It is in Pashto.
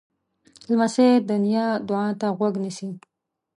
لمسی د نیا دعا ته غوږ نیسي.